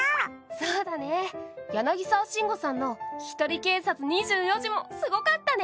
そうだね、柳沢慎吾さんのひとり警察２４時もすごかったね。